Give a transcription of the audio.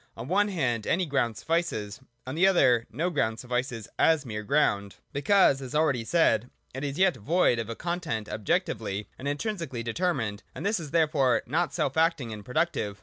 On one hand any ground suffices : on the other no ground suffices as mere ground ; because, as already said, it is yet void of a content objec tively and intrinsically determined, and is therefore not self acting and productive.